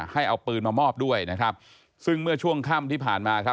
ให้เอาปืนมามอบด้วยซึ่งเมื่อช่วงค่ำที่ผ่านมา